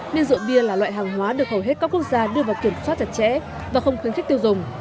nên rượu bia là loại hàng hóa được hầu hết các quốc gia đưa vào kiểm soát chặt chẽ và không khuyến khích tiêu dùng